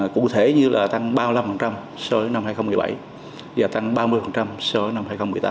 cụ thể như là tăng ba mươi năm so với năm hai nghìn một mươi bảy và tăng ba mươi so với năm hai nghìn một mươi tám